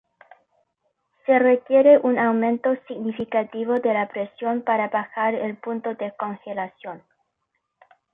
Se requiere un aumento significativo de la presión para bajar el punto de congelación.